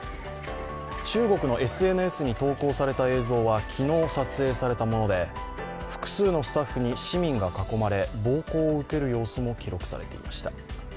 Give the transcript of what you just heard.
中国のＳＮＳに投稿された映像は昨日撮影されたもので複数のスタッフに市民が囲まれ、暴行を受ける様子も記録されていました。